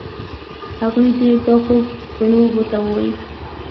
هغوی دي دا خوب روڼو اوبو ته ووایي